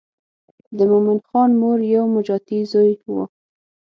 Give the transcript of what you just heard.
د مومن خان مور یو ماجتي زوی و.